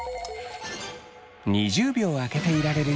２０秒開けていられるように。